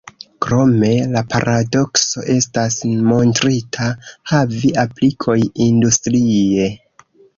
Krome, la paradokso estas montrita havi aplikoj industrie.